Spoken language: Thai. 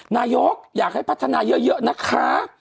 นายกอยากให้พัฒนาเยอะนะคะ